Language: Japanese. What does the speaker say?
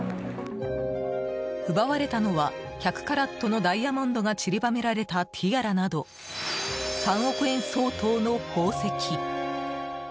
奪われたのは１００カラットのダイヤモンドが散りばめられたティアラなど３億円相当の宝石。